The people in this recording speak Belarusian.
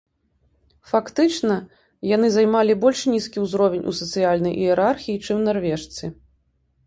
Фактычна яны займалі больш нізкі ўзровень ў сацыяльнай іерархіі, чым нарвежцы.